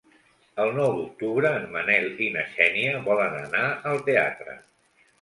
El nou d'octubre en Manel i na Xènia volen anar al teatre.